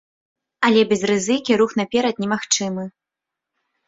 Але без рызыкі рух наперад немагчымы.